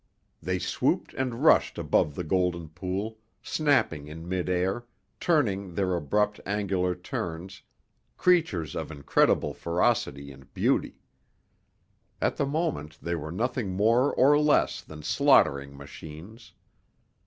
They swooped and rushed above the golden pool, snapping in mid air, turning their abrupt, angular turns, creatures of incredible ferocity and beauty. At the moment they were nothing more or less than slaughtering machines.